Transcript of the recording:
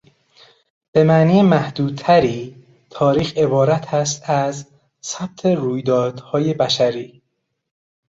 به معنی محدودتری، تاریخ عبارتست از ثبت رویدادهای بشری.